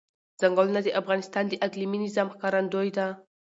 ځنګلونه د افغانستان د اقلیمي نظام ښکارندوی ده.